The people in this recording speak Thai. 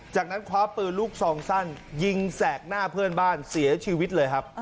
จากนั้นคว้าปืนลูกซองสั้นยิงแสกหน้าเพื่อนบ้านเสียชีวิตเลยครับ